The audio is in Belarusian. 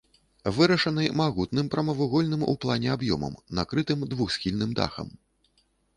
Вырашаны магутным прамавугольным ў плане аб'ёмам, накрытым двухсхільным дахам.